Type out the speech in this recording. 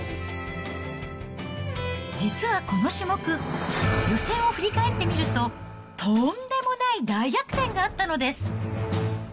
実はこの種目、予選を振り返ってみると、とんでもない大逆転があったのです。